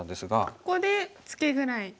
ここでツケぐらい。